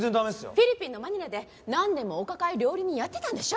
フィリピンのマニラで何年もお抱え料理人やってたんでしょ？